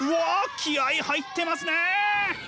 気合い入ってますね！